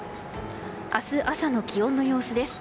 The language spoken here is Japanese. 明日朝の気温の様子です。